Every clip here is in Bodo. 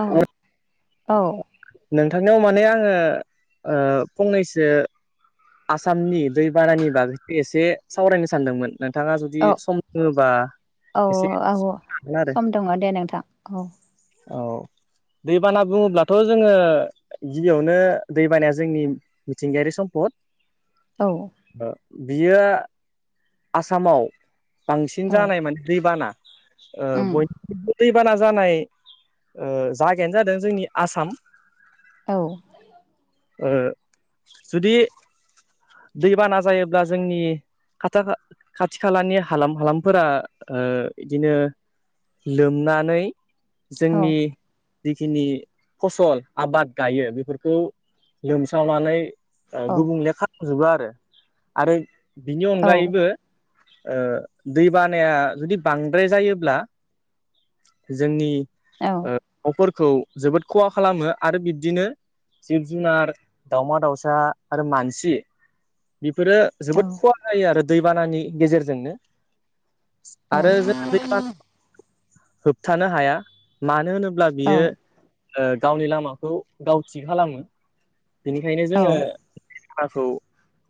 औ औ नोंथांनियाव माने आङो ओ फंनैसो आसामनि दैबानानि बागैसो एसे सावरायनो सानदोंमोन नोंथाङा जुदि सम दोङोबा। औ-औ एसे आब' हागोन आरो सम दङ' दे नोंथां औ। औ दैबाना बुङोब्लाथ' जोङो। गिबियावनो दै बानाया जोंनि मिथिंगायारि सम्पद। औ। ओ बियो आसामाव। बांसिन औ जानाय माने दैबाना ओ उम बयनिबो। दैबाना जानाय ओ जागायानो जादों जोंनि आसाम। औ। ओ जुदि। दैबाना जायोब्ला जोंनि। खाथा-खा-खाथि खालानि हालाम हालामफोरा ओ बिदिनो। लोमनानै औ जोंनि। जिखिनि फसल आबाद गायो बेफोरखौ लोमसावनानै। ओ औ गुबुंले खालामजोबो आरो आरो बिनि औ अनगायैबो। ओ दै बानाया जुदि बांद्राय जायोब्ला। जोंनि। औ। ओ न'फोरखौ जोबोद खहा खालामो आरो बिब्दिनो। जिब-जुनार, दावमा-दाउसा आरो मानसि बेफोरो औ जोबोद खहा। जायो आरो दैबानानि गेजेरजोंनो आरो जों दैबाना। होबथानो हाया मानो होनोब्ला बियो। ओ गावनि लामाखौ गाव थि खालामो बेनिखायनो औ जोङो। खौ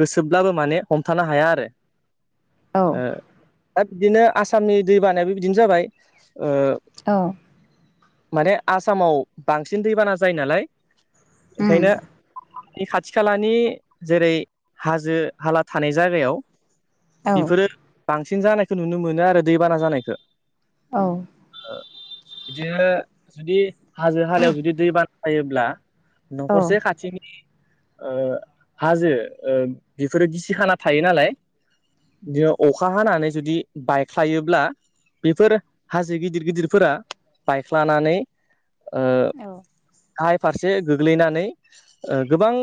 गोसोब्लाबो माने हमथानो हाया आरो औ ओ। दा बिदिनो आसामनि दै बानायाबो बिदिनो जाबाय ओ। औ। माने आसामाव बांसिन दैबाना जायो नालाय। उम ओंखायनो बे खाथि-खालानि। जेरै हाज- हाला थानाय जागायाव औ उम औ बेफोरो। बांसिन जानायखौ नुनो मोनो आरो दैबाना जानायखो। औ। ओ बिदिनो जुदि हाजो-हालायाव जुदि दै बाना जायोब्ला। न'खरसे खाथिनि ओ। हाजो ओ बेफोरो गिसिखाना थायो नालाय। बिदियाव अखा हानानै जुदि बायख्लायोब्ला। बेफोर हाजो गिदिर-गिदिरफोरा बायख्लानानै। ओ गाहाय फारसे गोग्लैनानै ओ गोबां।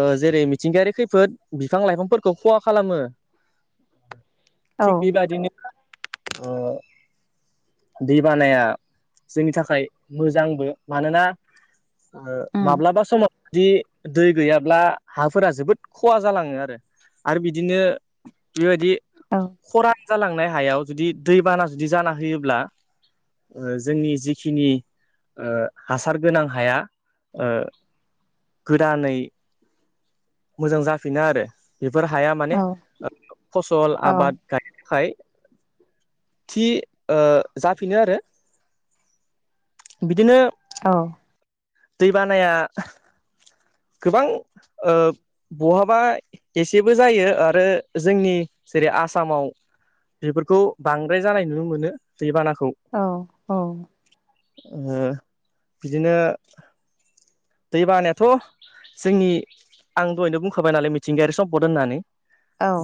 ओ जेरै मिथिंगायारि खैफोद बिफां-लाइफांफोरखौ खहा खालामो। थिग बे बायदिनो। [inaudible] दै बानाया जोंनि थाखाय मोजांबो। मानोना ओ माब्लाबा समाव [inaudible] दि दै गैया ब्ला हाफोरा जोबोद खहा जालाङो आरो। आरो बिदिनो बेबायदि। औ। खरान जालांनाय हायाव जुदि दैबाना जुदि जाना होयोब्ला ओ जोंनि जिखिनि। ओ हासार गोनां हाया ओ गोदानै। मोजां जाफिनो आरो बेफोर हाया माने फसल आबाद। गायनो थाखाय थि ओ जाफिनो आरो। बिदिनो। औ। दै बानाया गोबां। ओ बहाबा एसेबो जायो आरो जोंनि जेरै' आसामाव बेफोरखौ बांद्राय जानाय नुनो मोनो दैबानाखौ। औ औ। ओ बिदिनो दैबानायाथ' जोंनि आं दहैनो बुंखाबाय नालाय मिथिंगायारि सम्पद होननानै।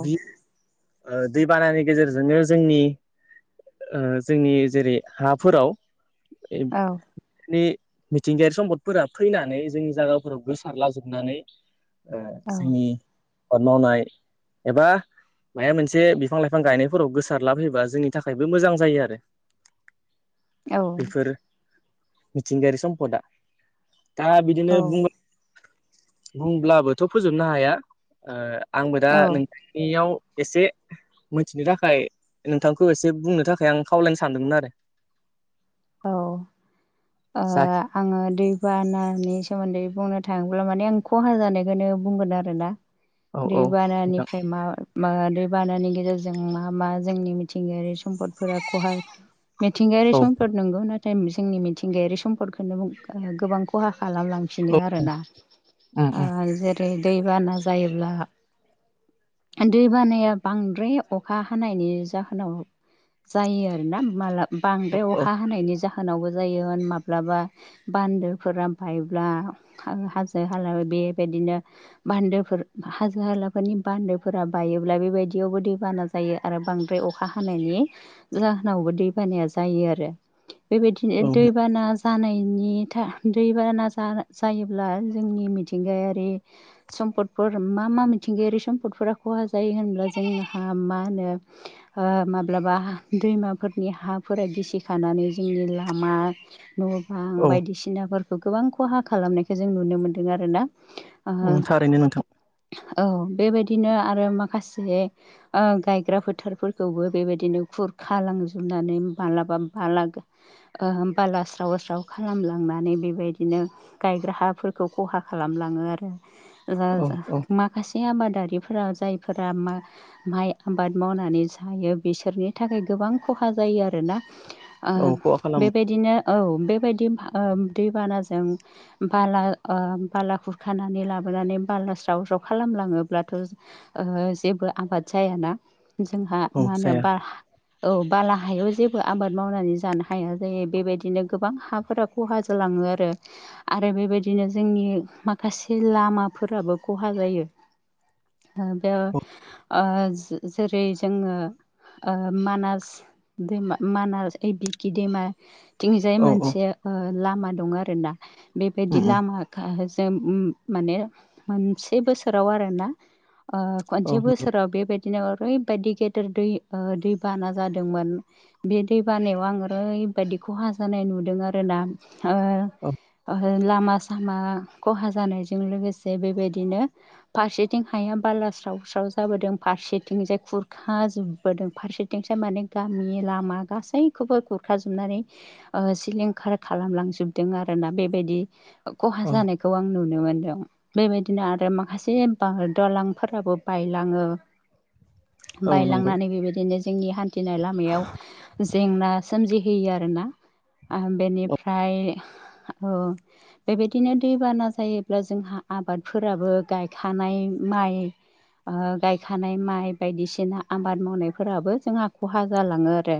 बि ओ दैबानानि गेजेरजोंनो जोंनि ओ जोंनि जेरै' हाफोराव [unintelligible] एब नि मिथिंगायारि सम्पद फोरा फैनानै जोंनि जागाफोराव गोसारलाजोबनानै ओ जोंनि हाद मावनाय एबा माया मोनसे बिफां लाइफां गायनायफोराव गोसार लाफैयोबा जोंनि थाखायबो मोजां जायो आरो। [inaudible] बेफोर मिथिंगायारि सम्पदा। दा बिदिनो बुं बुंब्लाबोथ' फोजोबनो हाया। ओ आंबो दा औ औ नोंथांनियाव एसे मिथिनो थाखाय नोंथांखौ एसे बुंनो थाखाय आं खावलायनो सानदोंमोन आरो। औ ओ जाखि आङो दैबानानि सोमोन्दै बुंनो थाङोब्ला माने आं खहा जानायखौनो बुंगोन आरो ना। औ औ नोंथां दैबानानिफ्राय मा मा दै बानानि गेजेरजों मा मा जोंनि मिथिंगायारि सम्पदफोरा खहा मेथिंगयारि औ सं नंगौ नाथाय मिसेंनि मिथिंगायारि सम्पदखौनो बुं ओ गोबां खहा खालामलां फिनो औ आरो ना उम आ उम जेरै' दैबाना जायोब्ला दै बानाया बांद्राय अखा हानायनि जाहोनाव जायो आरो ना माला बांद्राय औ अखा हानायनि जाहोनावबो जायो होन माब्लाबा बान्दोफोरा बायब्ला हा हाजो हाला बेबायदिनो बान्दोफोर हाजो हालाफोरनि बान्दोफोरा बायोब्ला बेबायदियावबो दैबाना जायो आरो बांद्राय अखा हानायनि जाहोनावबो दैबानाया जायो आरो। बेबायदिनो दै' बाना जानायनि था दै'बाना जा जायोब्ला जोंनि मिथिंगायारि सम्पदफोर मा मा मिथिंगायारि सम्पदफोरा खहा जायो होनब्ला जोंहा मा होनो ओ माब्लाबा दैमाफोरनि हाफोरा गिसि खानानै जोंनि लामा न' बां औ बायदिसि नाफोरखौ गोबां खहा खालामनायखौ जों नुनो मोनदों आरो ना। ओ औ थारैनो नोंथां औ बेबायदिनो आरो माखासे ओ गायग्रा फोथारफोरखौबो बेबायदिनो खुरखा लांजोबनानै मालाबा बालागो ओ बाला स्राव स्राव खालामलांनानै बेबायदिनो गायग्रा हाफोरखौ खहा खालामलाङो आरो जा औ जा औ मा खासे आबादारिफोरा जायफोरा मा माइ आबाद मावनानै जायो बिसोरनि थाखाय गोबां खहा जायो आरोना। ओह औ खहा खालामो बेबायदिनो औ बेबायदिम ओम दैबानाजों बाला ओ बाला खुरखानानै लाबोनानै बाला स्राव स्राव खालामलाङोब्लाथ' ओ जेबो आबाद जायाना जोंहा औ मा होनो जाया बा औ बाला हायाव जेबो आबाद मावनानै जानो हाया जायो बेबायदिनो गोबां हाफोरा खहा जलाङो आरो। आरो बेबायदिनो जोंनि माखासे लामाफोराबो खहा जायो। ओ बेव औ [unintelligible] ओ जे जेरै जोङो ओ मानास दैमा मानास [unintelligible] बिकि दैेमाथिंजाय औ औ मोनसे ओ लामा दं आरोना। उम बेबायदि उम लामा खा जोम उम माने मोनसे बोसोराव आरोना ओ औ खनसे नंगौ बोसोराव बेबायदिनो ओरैबायदि गेदेर दै ओ दैबाना जादोंमोन। बे दै बानायाव आं ओरैबायदि खहा जानाय नुदों आरो ना ओ औ [unintelligible] ओ लामा -सामा खहा जानायजों लोगोसे बेबायदिनो फारसेथिं हाया बाला स्राव स्राव जाबोदों फारसेथिंजाय खुरखा जोबबोदों फारसे [unintelligible] थिंसाय माने गामि लामा गासैखौबो गुरखाजुबनानै ओ सिलिंखार खालामलांजोबदों आरोना बेबायदि [unintelligible] खहा औ जानाय खौ आं नुनो मोनदों। बेबायदिनो आरो माखासे बा दलांफोराबो बायलाङो औ नंगौ बायलांनानै बेबायदिनो जोंनि हान्थिनाय लामायाव जेंना सोमजिहोयो आरोना आम औ बेनिफ्राय ओ बेबायदिनो दैबाना जायोब्ला जोंहा आबादफोराबो गायखानाय माइ ओ गायखानाय माइ बायदिसिना आबाद मावनायफोराबो जोंहा खहा जालाङो आरो।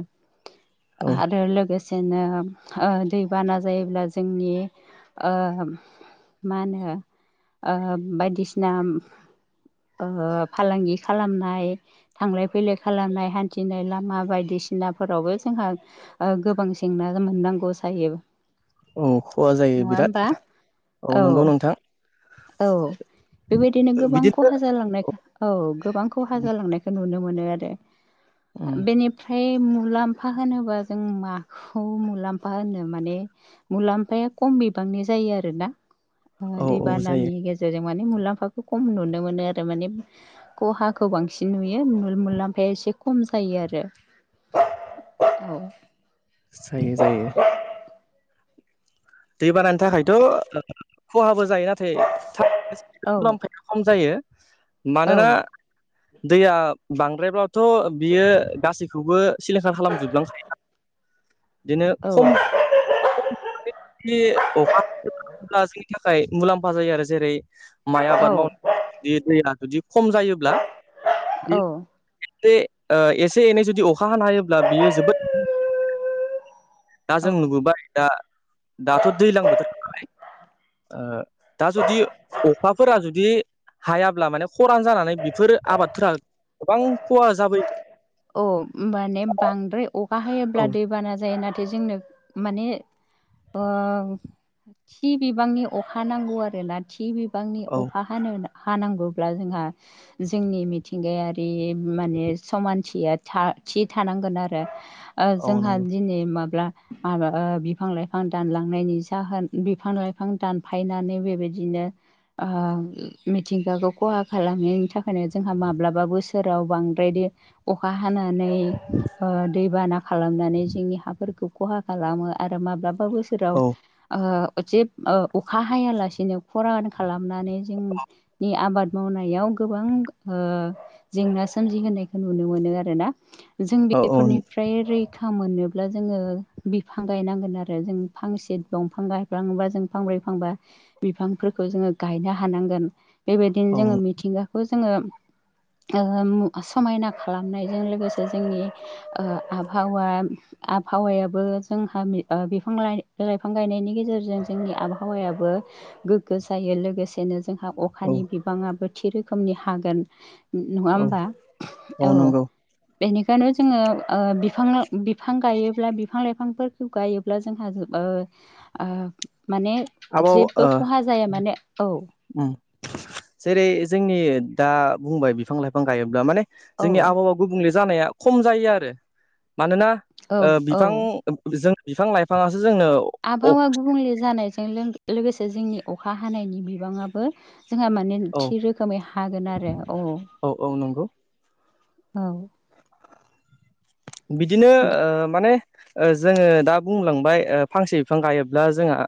औ आरो लोगोस सेनो ओम ओ दैबाना जायोब्ला जोंनि ओम मा नो ओम बायदिसिनाम ओ फालांगि खालामनाय थांलाय फैलाय खालामनाय हान्थिनाय लामा बायदिसिनाफोरावबो जोंहा ओ गोबां जेंना जोम मोननांगौ सायो। औ खहा जायो बिराद औ नंगौ नोंथां। औ बेबायदिनो गोबां बिदिनो खहा जालांनाय [unintelligible] औ गोबां खहा जालांनायखो नुनो मोनो आरो उम । बेनि [unintelligible] फाय मुलाम्फा होनोबा जों माखौ मुलाम्फा होनो माने मुलाम्फाया कम बिबांनि जायो आरोना ओ औ दै औ [unintelligible] नि जायो गेजेरजों माने मुलाम्फाखौ कम नुनो मोनो आरो मानेम खहाखौ बांसिन नुयो मुल मुलामफाया एसे खम जायो आरो। [unintelligible] जायो जायो। दै बानानि थाखायथ' [unintelligible] खहाबो जायो औ नाथाय [unintelligible] खम जायो औ मानोना दैया बांद्रायब्लाथ' बियो गासैखौबो सिलिंखार खालामजुबलां [unintelligible] [unintelligible] दिनो औ खम बे [unintelligible] मुलाम्फा जायो आरो जेरै माइ आबाद मावनाय [unintelligible] दैया जुदि खम जायोब्ला बे औ [unintelligible] [unintelligible] ओ एसे एनै जुदि अखा हानो हायोब्ला बियो जोबोद दा औ जों नुबोबाय दा दाथ' दैज्लां बोथोर नालाय ओ दा जुदि अखाफोरा जुदि हायाब्ला माने खरान जानानै बेफोर आबादफोरा गोबां खहा जाबोयो औ माने बांद्राय अखा औ हायोब्ला दैबाना जायो नाथाय जोंनो माने ओ थि बिबांनि अखा नांगौ आरोना थि बिबांनि औ अखा हानो हानांगौब्ला जोंहा जोंनि मिथिंगायारि बेम माने समानथिया था थि थानांगोन आरो ओ औ जोंहा नंगौ दिनै माब्ला [unintelligible] बिफां -लाइफां दानलांनायनि जाहोन बिफां लाइफां दानफायनानै बेबायदिनो [unintelligible] मिथिंगाखौ खहा खालामैनायनि थाखायनो जोंहा माब्लाबा बोसोराव बांद्रायदि अखा हानानै ओ दैबाना खालामनानै जोंनि हाफोरखौ खहा खालामो आरो माब्लाबा बोसोराव औ ओ से अखा हायालासिनो खरान खालामनानै जों नि आबाद मावनायाव गोबां ओ जेंना सोमजिहोनायखौ नु नुनो मोनो आरोना जों औ औ बेफोरनिफ्राय रै फखा मोनोब्ला जोङो बिफां गायनांगोन आरो जों फांसे दंफां गाय बिफांबा जों फांब्रै फांबा बिफांफोरखौ जोंङो गायनो हानांगोन। बेबायदिनो औ जोंङो मिथिंगाखौ जोंङो समायना खालामनायजों लोगोसे जोंनि ओ आबहावा आबहावायाबो जोंहा बिफां लाइफां गायनायनि गेजेरजों जोंनि आबहावायाबो गोग्गो जायो लोगोसेनो जोंहा औ अखानि बिबाङाबो थि रोखोमनि हागोन नङा औ होमबा औ बेनिखायनो जोंङो बिफां बिफां गायोब्ला बिफां लाइफांफोरखौ गायो ब्ला जोंहा माने आबाव ओ जेबो खहा जाया माने औ जेरै जोंनि दा बुंबाय बिफां लाइफां गायोब्ला माने औ जोंनि आबहावा गुबुंले जानाया खम जायो आरो मानोना औ औ बिफां जों बिफां लाइफाङासो जोंनो अ आबहावा गुबुंले जानायजों लोगोसे जोंनि अखा हानायनि बिबाङाबो जोंहा माने औ थि रोखोमै हागोन आरो औ औ नंगौ औ बिदिनो माने जोंङो दा बुंलांबाय फांसे बिफां गायोब्ला जोंहा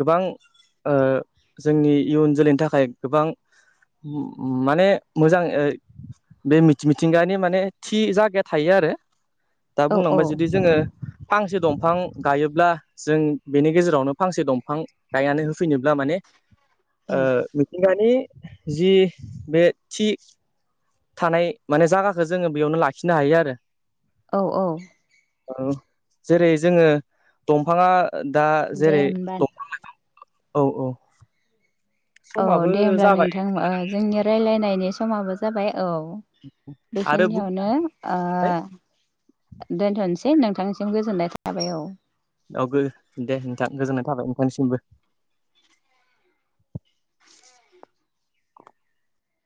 गोबां जोंनि इयुन जोलैनि थाखाय गोबां माने मोजां बे मिथि-मिथिंगानि माने थि जायगाया थायो आरो। दा औ बुंलांबाय जुदि औ जोंङो फांसे दंफां गायोब्ला जों बेनि गेजेरावनो फांसे दंफां गायनानै होफैनोब्ला माने औ मिथिंगानि जि बे थि थानाय माने जागाखो जोंङो बेयावनो लाखिनो हायो आरो। औ औ औ जेरै जोङो दंफाङा दा दे जेरै होमबा औ औ औ समाबो दे होमब्ला जाबाय नोंथां जोंनि रायजलायनायनि समाबो जाबाय औ आरो बेखिनियावनो ओ बुंबाय दोनथ'नोसै नोंथांनिसिम गोजोननाय थाबाय औ औ गो दे नोंथां गोजोननाय थाबाय नोंथांनिसिमबो